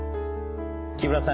木村さん